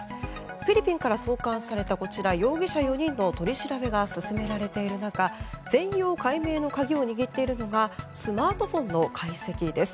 フィリピンから送還された容疑者４人の取り調べが進められている中全容解明の鍵を握っているのがスマートフォンの解析です。